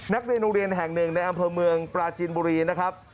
นักเรียนโรงเรียนแห่งหนึ่งในอำเภอเมืองปราจีนบุรีนะครับ